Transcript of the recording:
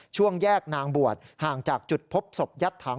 ช่วงแยกนางบวชห่างจากจุดพบศพยัดถัง